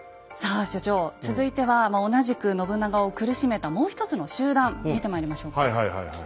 さあ所長続いては同じく信長を苦しめたもうひとつの集団見てまいりましょうか。